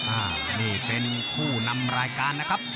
อ่านี่เป็นผู้นำรายการนะครับ